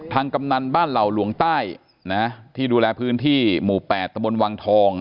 กำนันบ้านเหล่าหลวงใต้นะที่ดูแลพื้นที่หมู่๘ตะบนวังทอง